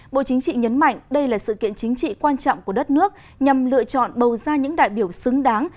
bộ chính trị nhấn mạnh đây là sự kiện chính trị quan trọng của đất nước nhằm lựa chọn bầu ra những đại biểu xứng đáng